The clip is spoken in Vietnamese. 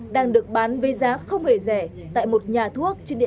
đang được bán với giá không hề rẻ tại một nhà thuốc trên địa bàn hà nội